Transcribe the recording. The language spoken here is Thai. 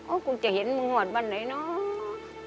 โอ้ยกูจะเห็นมึงหวัดบ้านไหนเนาะ